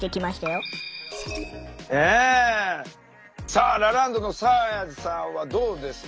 さあラランドのサーヤさんはどうです？